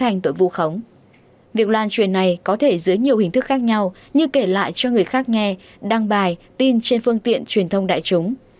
thành tội vụ khống việc loan truyền này có thể dưới nhiều hình thức khác nhau như kể lại cho người khác nghe đăng bài tin trên phương tiện truyền thông đại chúng